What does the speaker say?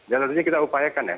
ya tentunya kita upayakan ya